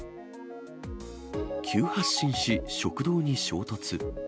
急発進し、食堂に衝突。